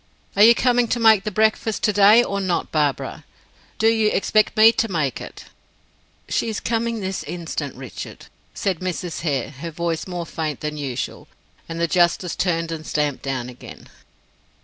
"Are you coming to make the breakfast to day, or not Barbara? Do you expect me to make it?" "She is coming this instant, Richard," said Mrs. Hare, her voice more faint than usual. And the justice turned and stamped down again.